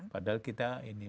padahal kita ini